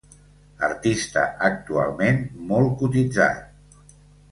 Artista actualment molt cotitzat.